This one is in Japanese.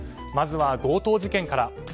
まずは強盗事件から。